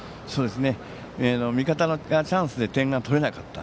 味方がチャンスで点を取れなかった。